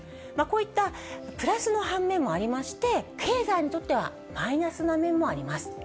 こういったプラスのはんめんもありまして、経済にとってはマイナスな面もあります。